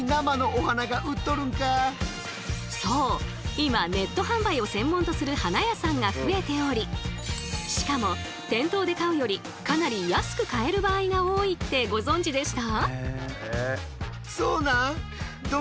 今ネット販売を専門とする花屋さんが増えておりしかも店頭で買うよりかなり安く買える場合が多いってご存じでした？